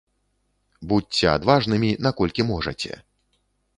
Будзьце адважнымі наколькі можаце.